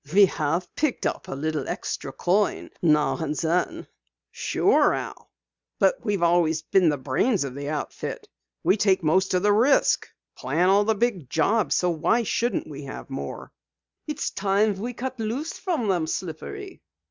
"We have picked up a little extra coin now and then." "Sure, Al, but we've always been the brains of the outfit. We take most of the risk, plan all the big jobs, so why shouldn't we have more?" "It's time we cut loose from 'em, Slippery."